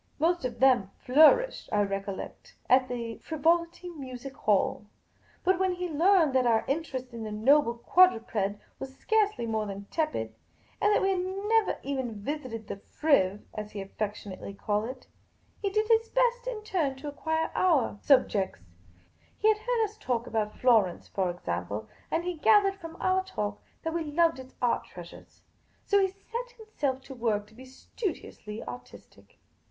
Most of them flourished, I recollect, at the Frivolity Music Hall. But when he learned that our inter est in the noble quadruped was scarcely more than tepid, and that we had never even visited " the Friv.," as he affectionately called it, he did his best in turn to acquire our ai < Z o < in O C/) O o o u X o H <; o V. o Q a CO 224 Miss Cayley's Adventures subjects. He had heard us talk about Florence, for example, and he gathered from our talk that we loved its art treasures. So he set himself to work to be studiously artistic.